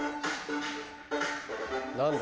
何だ？